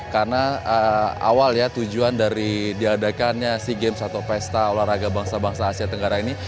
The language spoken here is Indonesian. karena awal tujuan dari diadakannya sea games atau pesta olahraga bangsa bangsa asia tenggara ini